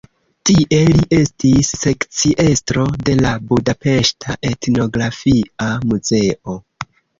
Tie li estis sekciestro de la budapeŝta Etnografia Muzeo.